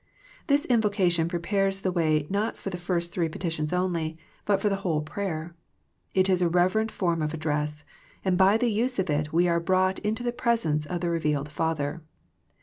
This invocation prepares the way not for the first three petitions only, but for the whole prayer. It is a reverent form of address, and by the use of it we are brought into the presence of the re vealed Father.